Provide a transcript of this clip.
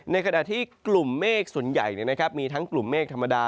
ในขณะที่กลุ่มเมฆส่วนใหญ่มีทั้งกลุ่มเมฆธรรมดา